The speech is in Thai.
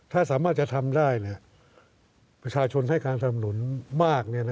ถ้าสามารถจะทำได้ประชาชนให้การสนับหนุนมาก